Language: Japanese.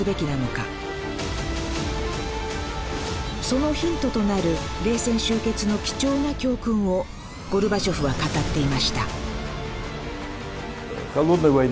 そのヒントとなる冷戦終結の貴重な教訓をゴルバチョフは語っていました